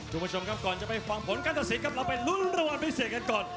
ทุกผู้ชมครับก่อนจะไปฟังผลการศักดิ์ศรีกับเราไปลุ้นระวันไปเสียกันก่อน